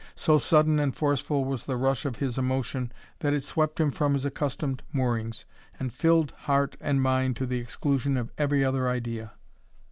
So sudden and forceful was the rush of his emotion that it swept him from his accustomed moorings, and filled heart and mind to the exclusion of every other idea.